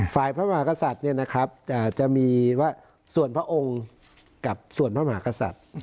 ฝ่ายพระมหากษัตริย์เนี่ยนะครับจะมีว่าส่วนพระองค์กับส่วนพระมหากษัตริย์